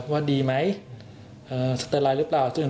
ว่าดีไหมสเตอร์ไลน์หรือเปล่า